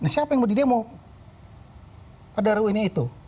siapa yang mau di demo pada ruang ini